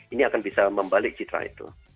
ini akan bisa membalik citra itu